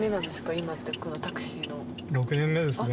今ってこのタクシーの。６年目ですね。